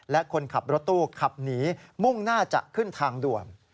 และคนขับรถตู้ขับหนีมุ่งหน้าจะขึ้นทางด่วน